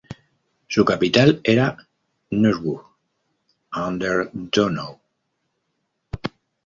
Su capital era Neuburg an der Donau.